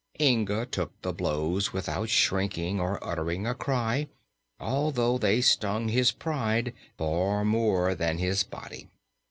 Inga took the blows without shrinking or uttering a cry, although they stung his pride far more than his body.